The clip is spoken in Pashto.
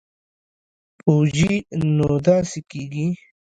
پوجي نو داسې کېږي.